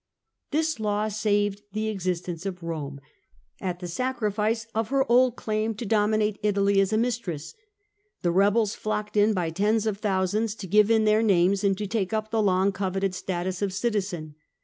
This law saved the existence of Rome, at the sacrifice of her old claim to dominate Italy as a mistress. The rebels flocked in by tens of thousands to give in their names and to take up the long coveted status of citizen.